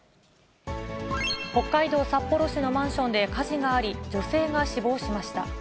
北海道札幌市のマンションで火事があり、女性が死亡しました。